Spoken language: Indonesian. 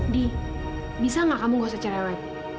di bisa gak kamu gak usah cerai